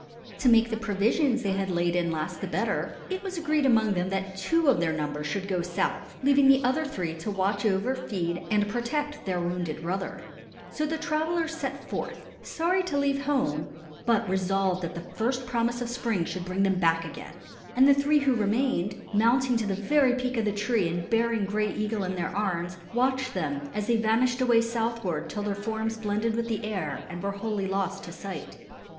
To make the provisions they had laid in last the better, it was agreed among them that two of their number should go south, leaving the other three to watch over, feed, and protect their wounded brother. So the travelers set forth, sorry to leave home, but resolved that the first promise of spring should bring them back again. And the three who remained, mounting to the very peak of the tree and bearing Gray Eagle in their arms, watched them, as they vanished away southward, till their forms blended with the air and were wholly lost to sight.